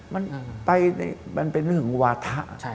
มันไปเป็นเรื่องวาธะ